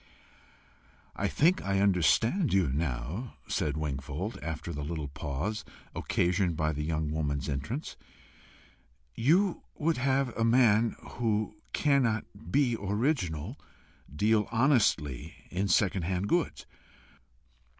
"I think I understand you now," said Wingfold, after the little pause occasioned by the young woman's entrance. "You would have a man who cannot be original, deal honestly in second hand goods.